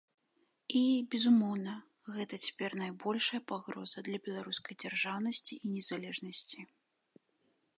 І, безумоўна, гэта цяпер найбольшая пагроза для беларускай дзяржаўнасці і незалежнасці.